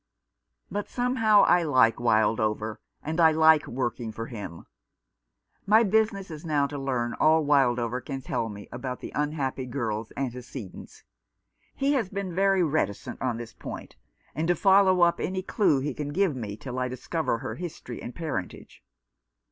But somehow I like Wildover, and I like working for him. My business is now to learn all Wildover can tell me about the unhappy girl's antecedents — he has been very reticent on this point — and to follow up any clue he can give me till I discover her history and parentage.